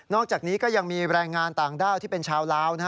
อกจากนี้ก็ยังมีแรงงานต่างด้าวที่เป็นชาวลาว